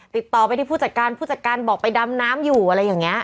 ติดต่อไปที่ผู้จัดการผู้จัดการบอกไปดำน้ำอยู่อะไรอย่างนี้